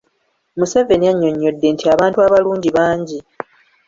Museveni annyonnyodde nti abantu abalungi bangi.